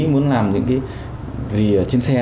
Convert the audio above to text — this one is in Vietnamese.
muốn làm những cái gì trên xe